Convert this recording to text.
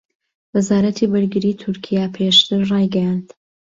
وەزارەتی بەرگریی تورکیا پێشتر ڕایگەیاند